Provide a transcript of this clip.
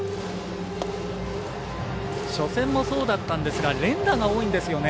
初戦もそうだったんですが連打が多いんですよね。